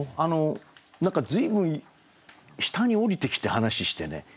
何か随分下に下りてきて話ししてね。